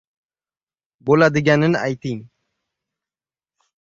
— Bo‘ladiganini ayting.